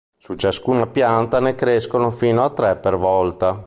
Su ciascuna pianta ne crescono fino a tre per volta.